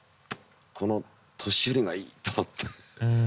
この年寄りがいいと思って。